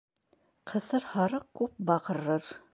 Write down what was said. Ҡыҫыр һарыҡ күп баҡырыр.